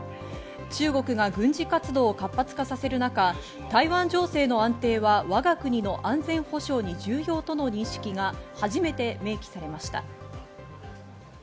中国が軍事活動を活発化させる中、台湾情勢の安定は我が国の安全保障に重要との認識が初めて明記されました。